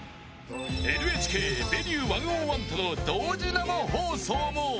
［ＮＨＫ『Ｖｅｎｕｅ１０１』との同時生放送も］